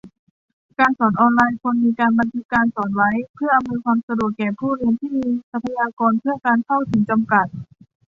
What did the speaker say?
การสอนออนไลน์ ควรมีการบันทึกการสอนไว้ เพื่ออำนวยความสะดวกแก่ผู้เรียนที่มีทรัพยากรเพื่อการเข้าถึงจำกัด